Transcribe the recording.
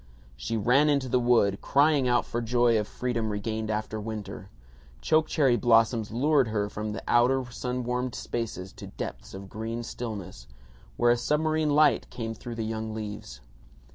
She ran into the wood, crying out for joy of freedom regained after winter. Choke cherry blossoms lured her from the outer sun warmed spaces to depths of green stillness, where a submarine light came through the young leaves.